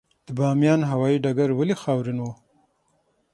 د بامیان هوايي ډګر ولې خاورین و؟